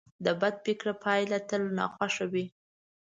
د بد فکر پایله تل ناخوښه وي.